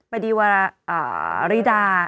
ประดิวาราบริดา